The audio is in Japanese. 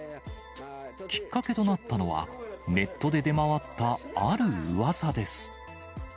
きっかけとなったのは、ネットで出回ったあるうわさです。